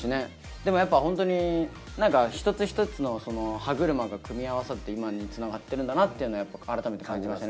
でもやっぱホントに一つ一つの歯車が組み合わさって今につながってるんだなっていうの改めて感じました